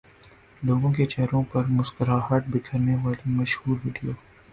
لوگوں کے چہروں پر مسکراہٹ بکھیرنے والی مشہور ویڈیو